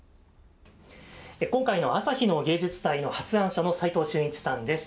今回のあさひの芸術祭の発案者の斉藤俊一さんです。